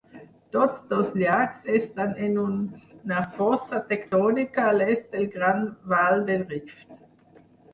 Tots dos llacs estan en una fossa tectònica a l'est del Gran Vall del Rift.